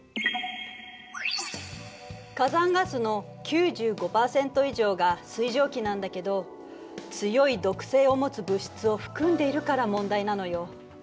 火山ガスの９５％以上が水蒸気なんだけど強い毒性を持つ物質を含んでいるから問題なのよ。